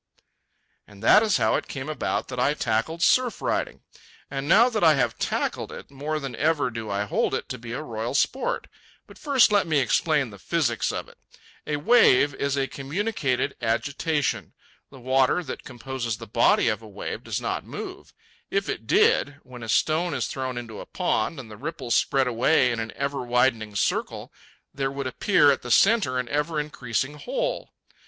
And that is how it came about that I tackled surf riding. And now that I have tackled it, more than ever do I hold it to be a royal sport. But first let me explain the physics of it. A wave is a communicated agitation. The water that composes the body of a wave does not move. If it did, when a stone is thrown into a pond and the ripples spread away in an ever widening circle, there would appear at the centre an ever increasing hole.